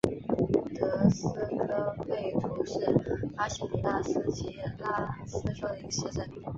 德斯科贝图是巴西米纳斯吉拉斯州的一个市镇。